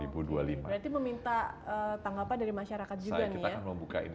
berarti meminta tanggapan dari masyarakat juga nih ya